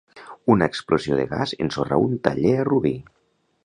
Una explosió de gas ensorra un taller a Rubí.